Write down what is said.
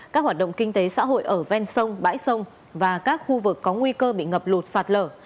các hoạt động kinh tế xã hội ở ven sông bãi sông và các khu vực có nguy cơ bị ngập lụt sạt lở